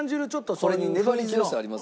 これに粘り強さあります？